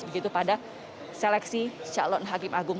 begitu pada seleksi calon hakim agung